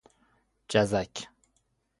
جزک